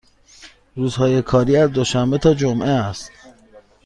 روزهای کاری از دوشنبه تا جمعه است.